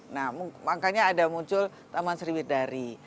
nah makanya ada muncul taman sriwidari